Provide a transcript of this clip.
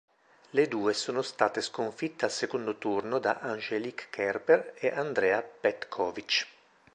Le due sono state sconfitte al secondo turno da Angelique Kerber e Andrea Petković.